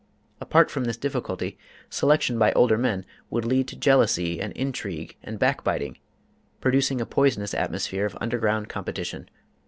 Apart from this difficulty, selection by older men would lead to jealousy and intrigue and back biting, producing a poisonous atmosphere of underground competition.